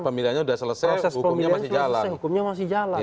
proses pemilihannya sudah selesai hukumnya masih jalan